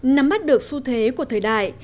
nắm mắt được xu thế của thời đại